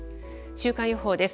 週間予報です。